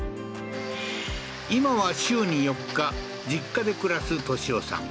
今は週に４日実家で暮らす敏夫さん